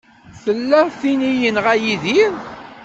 Tella tin i yenɣa Yidir.